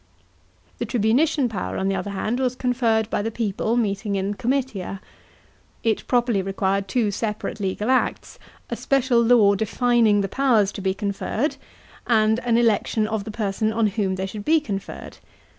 The tribunician power, on the other hand, was conferred by the people meeting in comitia. It properly required two separate legal acts — a special law defining the powers to be conferred, and an election of the person on whom they should be conferred.